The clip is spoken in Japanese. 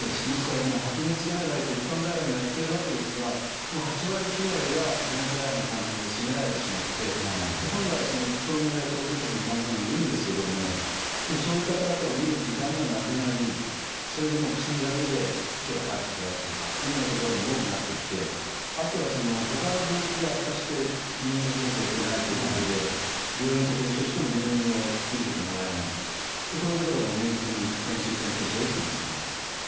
ですから、もう発熱外来と一般外来もやってるわけですが、もう８割、９割が発熱外来の患者さんで占められてしまって、本来その糖尿病や高血圧の患者さんもいらっしゃるわけですけれども、そういう方々を診る時間がなくなり、それでもう薬だけできょうは帰っていただくとかいうことが多くなってきて、あとはほかの病気で悪化して入院させなきゃいけないということで、病院と交渉しても入院を引き受けてもらえない、こういうことが現実に先週、先々週、起きてますね。